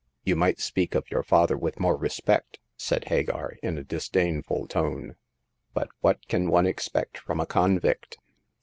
" You might speak of your father with more respect !" said Hagar, in a disdainful tone ;but what can one expect from a convict